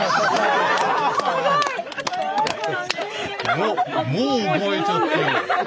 もうもう覚えちゃって。